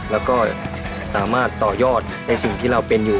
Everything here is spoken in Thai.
แล้วก็สามารถต่อยอดในสิ่งที่เราเป็นอยู่